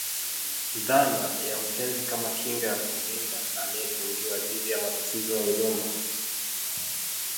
dhana ya utenzi kama kinga ya kumlinda anayetungiwa dhidi ya matatizo ya unyumba